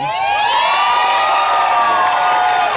ครับผม